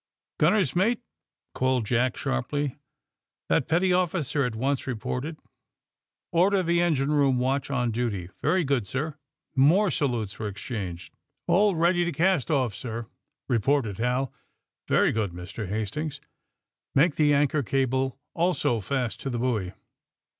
"Gunner's mate!" called Jack sharply. That petty officer at once reported. "Order the engine room watch on duty." "Very good, sir." More salutes were exchanged. AND THE SMUGGLERS 71 A11 ready to cast off, sir," reported Hal. ^^Very good, Mr. Hastings. Make the anchor cable also fast to the buoy.